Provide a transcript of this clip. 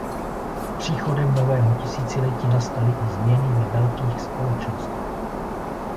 S příchodem nového tisíciletí nastaly i změny ve velkých společnostech.